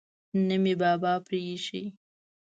نه مې بابا پریښی.